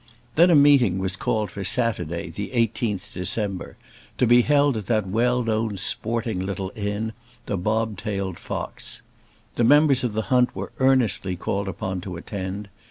Then a meeting was called for Saturday, the 18th December, to be held at that well known sporting little inn The Bobtailed Fox. The members of the hunt were earnestly called upon to attend.